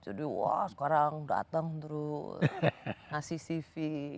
jadi wah sekarang dateng terus ngasih cv